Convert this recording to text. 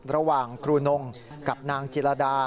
ระหว่างครูนงกับนางจิรดา